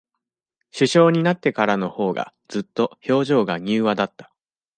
首相になってからのほうが、ずっと、表情が柔和だった。